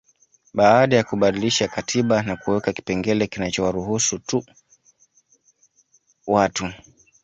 Baada ya kubadilisha katiba na kuweka kipengele kinachowaruhusu tu watu